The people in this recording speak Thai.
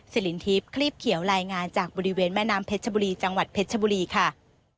สิรินทิพย์คลีบเขียวรายงานจากบริเวณแม่น้ำเพชรชบุรีจังหวัดเพชรชบุรีค่ะ